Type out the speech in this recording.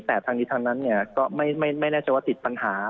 แต่ทางนี้ทางนั้นก็ไม่แน่ใจว่าติดปัญหา